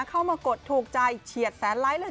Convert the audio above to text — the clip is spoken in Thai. เข้ามากดถูกใจเฉียดแสนไลค์เลย